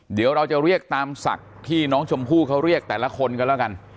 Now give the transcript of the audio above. เดี๋ยวเราจะเรียกตามศักดิ์ที่น้องชมพู่เขาเรียกแต่ละคนกันแล้วกัน